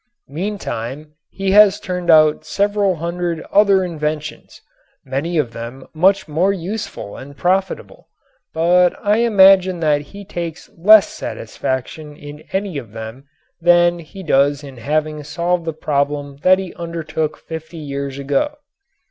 Meantime he has turned out several hundred other inventions, many of them much more useful and profitable, but I imagine that he takes less satisfaction in any of them than he does in having solved the problem that he undertook fifty years ago.